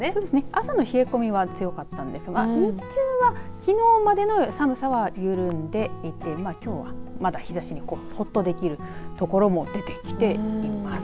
朝の冷え込みは強かったんですが日中はきのうまでの寒さは緩んでいてきょうは、まだ日ざしにほっとできるところも出てきています。